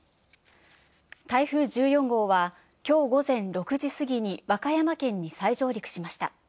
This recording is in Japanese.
台風１４号はきょう午前６時過ぎに和歌山県に再上陸しました。